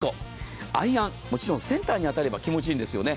もう１個、アイアン、センターに当たれば気持ちいいんですよね。